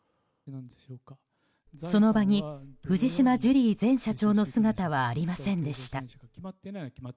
その場に藤島ジュリー前社長の姿はありませんでした。